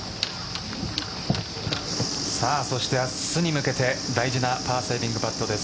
そして明日に向けて大事なパーセービングパットです